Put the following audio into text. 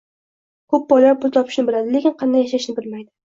Ko‘p boylar pul topishni biladi, lekin qanday yashashni bilmaydi.